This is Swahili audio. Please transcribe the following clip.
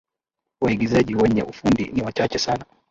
waigizaji wenye ufundi ni wachache sana